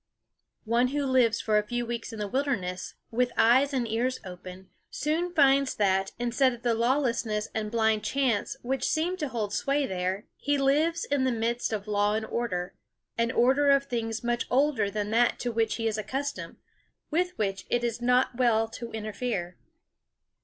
One who lives for a few weeks in the wilderness, with eyes and ears open, soon finds that, instead of the lawlessness and blind chance which seem to hold sway there, he lives in the midst of law and order an order of things much older than that to which he is accustomed, with which it is not well to interfere.